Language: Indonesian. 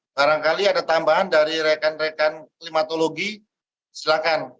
sekali kali ada tambahan dari rekan rekan klimatologi silakan